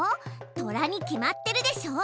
トラに決まってるでしょう。